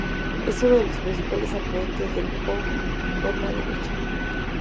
Es uno de los principales afluentes del Po por la derecha.